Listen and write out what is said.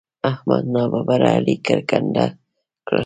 احمد ناببره علي کرکنډه کړ.